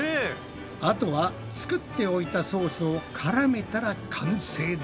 あとは作っておいたソースをからめたら完成だ。